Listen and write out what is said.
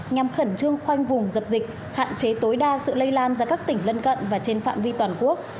nhằm khẩn trương khoanh vùng dập dịch hạn chế tối đa sự lây lan ra các tỉnh lân cận và trên phạm vi toàn quốc